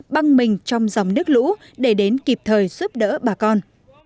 băng mình trong dòng nước lũ để đến kịp thời giúp đỡ bà con